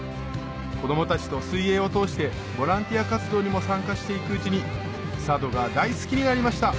子供たちと水泳を通してボランティア活動にも参加していくうちに佐渡が大好きになりました